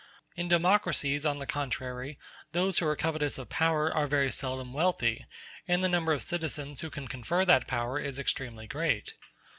In democracies, on the contrary, those who are covetous of power are very seldom wealthy, and the number of citizens who confer that power is extremely great.